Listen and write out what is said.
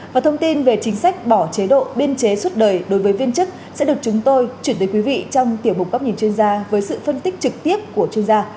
và thông tin về chính sách bỏ chế độ biên chế suốt đời đối với viên chức sẽ được chúng tôi chuyển tới quý vị trong tiểu mục góc nhìn chuyên gia với sự phân tích trực tiếp của chuyên gia